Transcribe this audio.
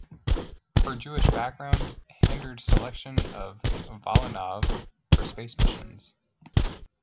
Her Jewish background hindered selection of Volynov for space missions.